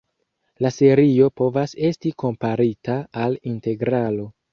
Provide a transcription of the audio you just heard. La serio povas esti komparita al integralo.